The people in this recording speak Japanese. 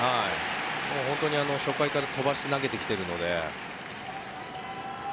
本当に初回から飛ばして投げてきてるので。